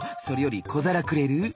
それより小皿くれる？